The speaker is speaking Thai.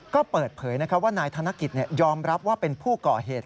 ก็เปิดเผยว่านายธนกิจยอมรับว่าเป็นผู้ก่อเหตุ